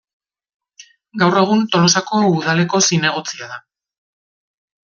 Gaur egun Tolosako Udaleko zinegotzia da.